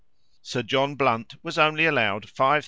Sir John Blunt was only allowed 5,000l.